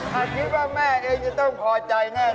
ถ้าคิดว่าแม่อันเองจะต้องพอใจแน่นอน